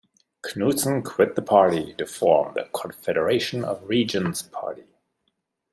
Knutson quit the party to form the Confederation of Regions Party.